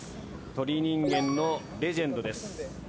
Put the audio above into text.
鳥人間のレジェンドです。